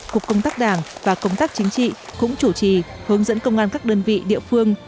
cục công tác đảng và công tác chính trị cũng chủ trì hướng dẫn công an các đơn vị địa phương